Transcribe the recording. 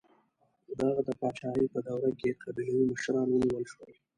د هغه د پاچاهۍ په دوره کې قبیلوي مشران ونیول شول.